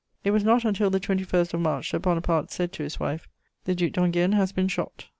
It was not until the 21st of March that Bonaparte said to his wife: "The Duc d'Enghien has been shot."